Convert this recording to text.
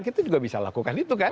kita juga bisa lakukan itu kan